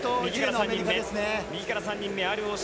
右から３人目、ＲＯＣ。